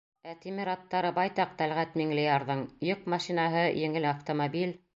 Ә «тимер ат»тары байтаҡ Тәлғәт-Миңлеярҙың: йөк машинаһы, еңел автомобиль...